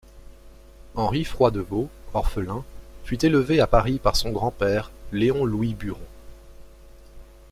Henri Froidevaux, orphelin, fut élevé à Paris par son grand-père Léon-Louis Buron.